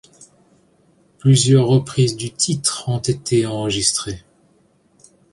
Plusieurs reprises du titre ont été enregistrées.